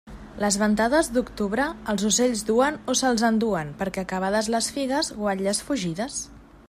Les ventades d'octubre els ocells duen, o se'ls enduen, perquè acabades les figues, guatlles fugides.